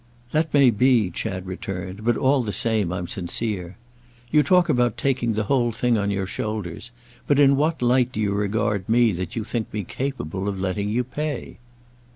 "That may be," Chad returned; "but all the same I'm sincere. You talk about taking the whole thing on your shoulders, but in what light do you regard me that you think me capable of letting you pay?"